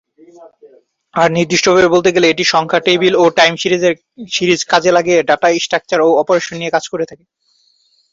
আরও নির্দিষ্টভাবে বলতে গেলে, এটি সংখ্যা টেবিল ও টাইম সিরিজ কাজে লাগিয়ে ডাটা স্ট্রাকচার ও অপারেশন নিয়ে কাজ করে থাকে।